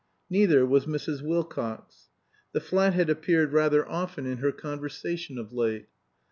Neither was Mrs. Wilcox. The flat had appeared rather often in her conversation of late.